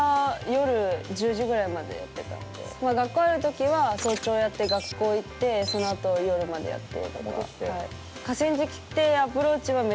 学校あるときは早朝やって学校行ってそのあと夜までやって。